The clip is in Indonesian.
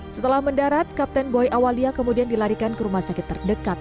setelah mendarat kapten boy awalia kemudian dilarikan ke rumah sakit terdekat